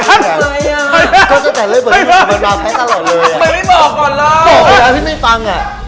ดูแลว่าพี่ไม่ฟัง